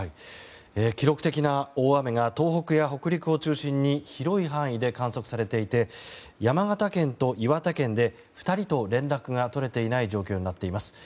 記録的な大雨が東北や北陸を中心に広い範囲で観測されていて山形県と岩手県で２人と連絡が取れていない状況になっています。